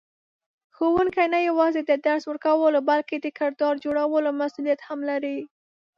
ښوونکی نه یوازې د درس ورکولو بلکې د کردار جوړولو مسئولیت هم لري.